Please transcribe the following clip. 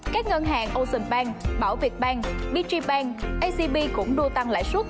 các ngân hàng ocean bank bảo việt bank brig bank acb cũng đua tăng lãi suất